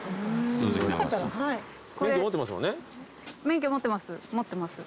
免許持ってます